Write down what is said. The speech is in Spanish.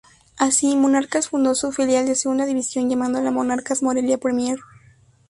Así, Monarcas fundó su filial de Segunda División llamándola "Monarcas Morelia Premier".